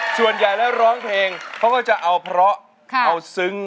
ส่วนใหญ่แล้วร้องเพลงเขาก็จะเอาเพราะเอาซึ้ง